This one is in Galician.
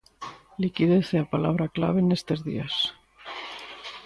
Liquidez é a palabra clave nestes días.